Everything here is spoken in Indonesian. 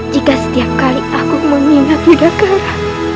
jika setiap kali aku mengingat negara